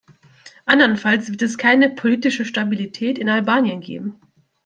Andernfalls wird es keine politische Stabilität in Albanien geben.